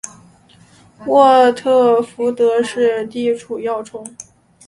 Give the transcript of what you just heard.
沃特福德地处要冲。